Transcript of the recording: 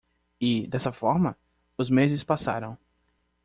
E? dessa forma? os meses passaram.